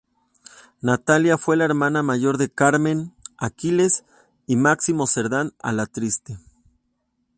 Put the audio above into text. Natalia fue la hermana mayor de Carmen, Aquiles y Máximo Serdán Alatriste.